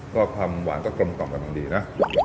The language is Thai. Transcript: ก็ความหวานก็กลมกล่อมกำลังดีนะ